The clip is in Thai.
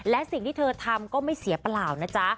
และสิ่งที่เธอทำก็ไม่เสียเปล่านะจ๊ะ